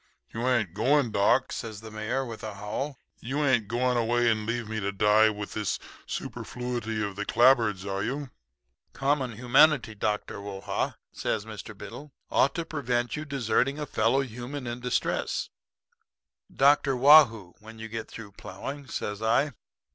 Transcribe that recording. "'You ain't going, doc?' says the Mayor with a howl. 'You ain't going away and leave me to die with this superfluity of the clapboards, are you?' "'Common humanity, Dr. Whoa ha,' says Mr. Biddle, 'ought to prevent your deserting a fellow human in distress.' "'Dr. Waugh hoo, when you get through plowing,' says I.